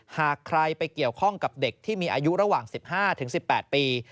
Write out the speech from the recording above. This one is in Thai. หากใครไปเกี่ยวข้องกับเด็กที่มีอายุระหว่าง๑๕๑๘ปี